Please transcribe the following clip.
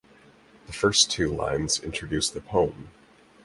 The first two lines introduce the poem.